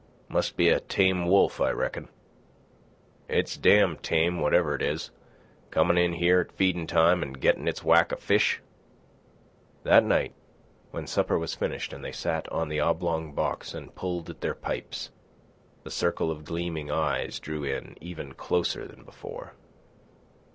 "Must be a tame wolf, I reckon." "It's damned tame, whatever it is, comin' in here at feedin' time an' gettin' its whack of fish." That night, when supper was finished and they sat on the oblong box and pulled at their pipes, the circle of gleaming eyes drew in even closer than before.